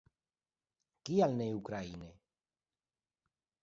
Kial ne ukraine?